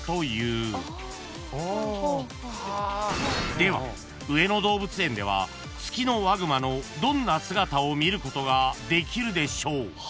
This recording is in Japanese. ［では上野動物園ではツキノワグマのどんな姿を見ることができるでしょう］